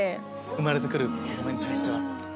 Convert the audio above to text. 生まれて来る子供に対しては？